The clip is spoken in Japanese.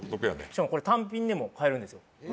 しかもこれ単品でも買えるんですよ。